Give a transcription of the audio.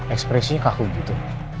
ekspresinya kaku gitu